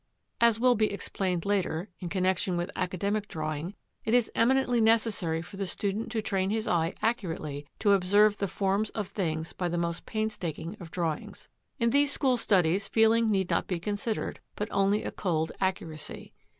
As will be explained later, in connection with academic drawing, it is eminently necessary for the student to train his eye accurately to observe the forms of things by the most painstaking of drawings. In these school studies feeling need not be considered, but only a cold accuracy.